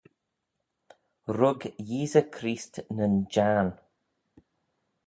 Rug Yeesey Chreest nyn Jiarn.